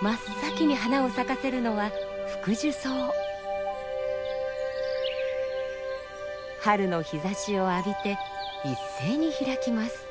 真っ先に花を咲かせるのは春の日ざしを浴びて一斉に開きます。